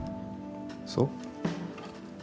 そう？